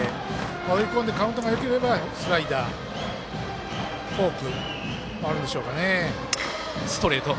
追い込んでカウントがよければスライダー、フォークもあるんでしょうかね。